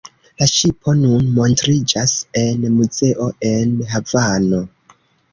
La ŝipo nun montriĝas en muzeo en Havano.